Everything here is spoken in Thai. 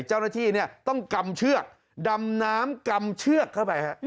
เจ้าหน้าที่ต้องกำเชือกดำน้ำกำเชือกเข้าไป